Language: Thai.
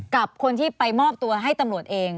กับคนที่ไปมอบตัวให้ตำรวจเอง